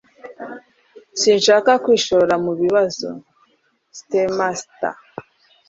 Sinshaka kwishora mu bibazo. (Spamster)